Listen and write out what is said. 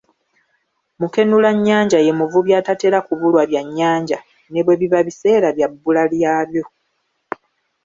Mukenulannyanja ye muvubi atatera kubulwa byannyanja, ne bwe biba biseera bya bbula lyabo.